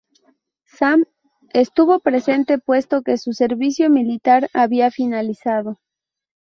Sam estuvo presente puesto que su servicio militar había finalizado.